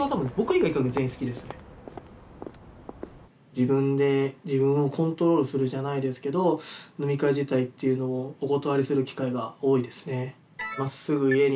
自分で自分をコントロールするじゃないですけど飲み会自体っていうのをお断りする機会が多いですね。